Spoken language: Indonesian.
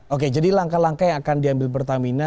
oke jadi langkah langkah yang akan diambil pertamina